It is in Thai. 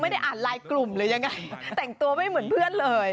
ไม่ได้อ่านไลน์กลุ่มหรือยังไงแต่งตัวไม่เหมือนเพื่อนเลย